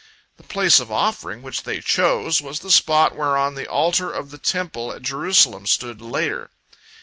The place of offering which they chose was the spot whereon the altar of the Temple at Jerusalem stood later.